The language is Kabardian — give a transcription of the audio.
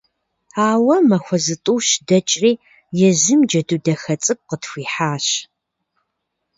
Ауэ махуэ зытӀущ дэкӀри, езым джэду дахэ цӀыкӀу къытхуихьащ…